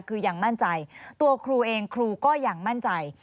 คือยังมั่นใจตัวครูเองครูก็ยังมั่นใจ